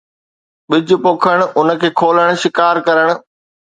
ٻج پوکڻ ، ان کي کولڻ ، شڪار ڪرڻ